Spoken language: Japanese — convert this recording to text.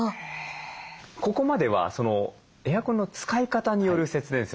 ここまではエアコンの使い方による説明ですよね。